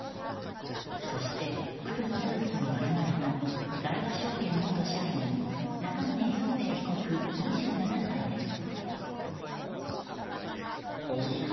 そして、黒のスーツに丸刈りの大和証券元社員中峯竜晟被告、２７歳です。